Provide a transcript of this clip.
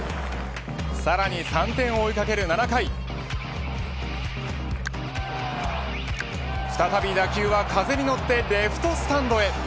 さらに３点を追い掛ける７回再び打球は風に乗ってレフトスタンドへ。